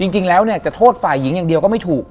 จริงแล้วเนี่ยจะโทษฝ่ายหญิงอย่างเดียวก็ไม่ถูก